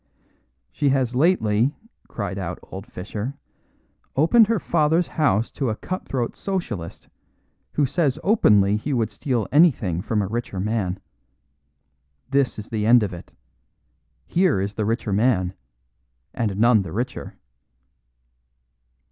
"She has lately," cried out old Fischer, "opened her father's house to a cut throat Socialist, who says openly he would steal anything from a richer man. This is the end of it. Here is the richer man and none the richer."